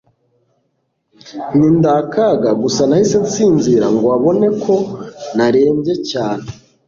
nti ndakaga gusa nahise nisinziriza ngo abone ko narembye cyane